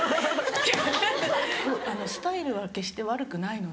スタイルは決して悪くないので。